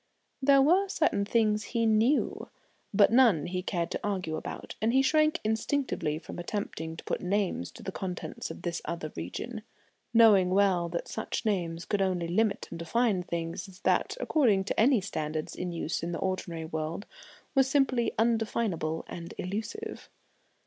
There were certain things he knew, but none he cared to argue about; and he shrank instinctively from attempting to put names to the contents of this other region, knowing well that such names could only limit and define things that, according to any standards in use in the ordinary world, were simply undefinable and illusive.